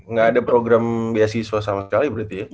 nggak ada program biasi swasta sama sekali berarti ya